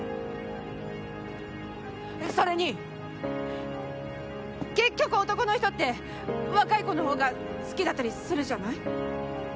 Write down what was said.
それに結局、男の人って若い子のほうが好きだったりするじゃない！